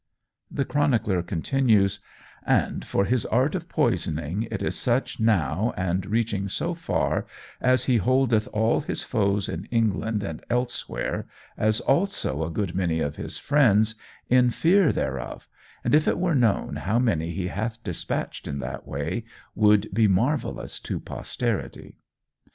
The chronicler continues: "And for his art of poisoning, it is such now, and reaching so far, as he holdeth all his foes in England and elsewhere, as also a good many of his friends, in fear thereof, and if it were known how many he hath despatched in that way would be marvellous to posterity.